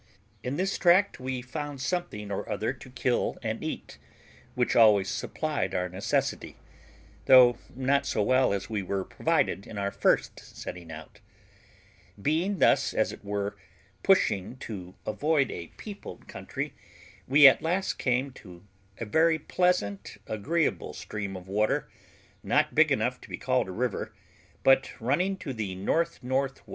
In this tract we found something or other to kill and eat, which always supplied our necessity, though not so well as we were provided in our first setting out; being thus, as it were, pushing to avoid a peopled country, we at last came to a very pleasant, agreeable stream of water, not big enough to be called a river, but running to the N.N.W.